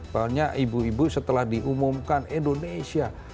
karena ibu ibu setelah diumumkan indonesia